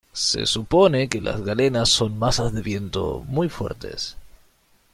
se supone que las galenas son masas de viento muy fuertes